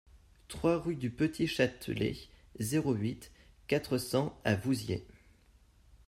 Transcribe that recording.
trois rue du Petit Châtelet, zéro huit, quatre cents à Vouziers